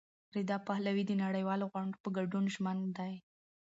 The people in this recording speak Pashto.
رضا پهلوي د نړیوالو غونډو په ګډون ژمن دی.